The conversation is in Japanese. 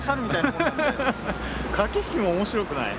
駆け引きも面白くない？